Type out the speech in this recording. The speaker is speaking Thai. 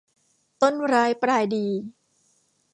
ต้นร้ายปลายดี